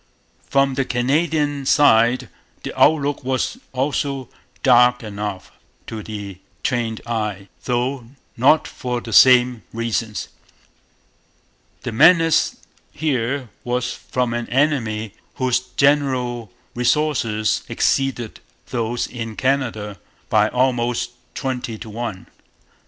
From the Canadian side the outlook was also dark enough to the trained eye; though not for the same reasons. The menace here was from an enemy whose general resources exceeded those in Canada by almost twenty to one.